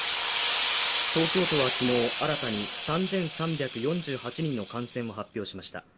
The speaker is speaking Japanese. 東京都は昨日、新たに３３４８人の感染を発表しました。